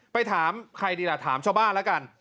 ไปถามใครดีล่ะถามชาวบ้านแล้วกัน